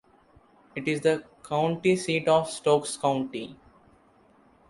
It is the county seat of Stokes County.